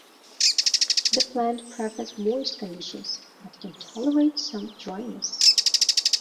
The plant prefers moist conditions but can tolerate some dryness.